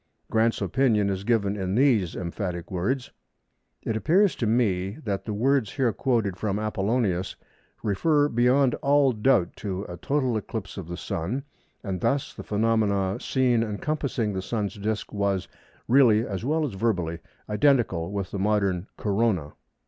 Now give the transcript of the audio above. Grant's opinion is given in these emphatic words:—"It appears to me that the words here quoted [from Apollonius] refer beyond all doubt to a total eclipse of the Sun, and thus the phenomenon seen encompassing the Sun's disc was, really as well as verbally, identical with the modern Corona."